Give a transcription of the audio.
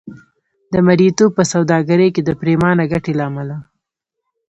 د مریتوب په سوداګرۍ کې د پرېمانه ګټې له امله.